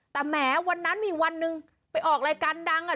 แต่แหมวันนั้นมีวันหนึ่งไปออกรายการดังอ่ะ